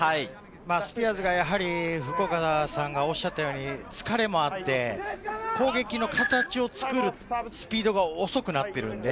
スピアーズがやはり福岡さんがおっしゃるように疲れもあって、攻撃の形を作るスピードが遅くなっているので。